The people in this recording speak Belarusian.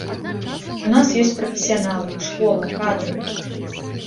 У нас ёсць прафесіяналы, школа, кадры.